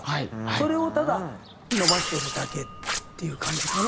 それをただ伸ばしてるだけっていう感じかな。